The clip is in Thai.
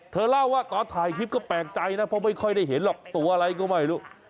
เธอเล่าว่าตอนถ่ายคลิปก็แปลกใจนะเพราะไม่ค่อยได้เห็นหรอกตัวอะไรก็ไม่รู้